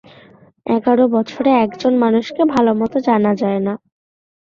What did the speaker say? এগার বছরে এক জন মানুষকে ভালোমতো জানা যায়।